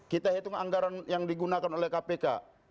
kita hitung anggaran yang digunakan oleh kpk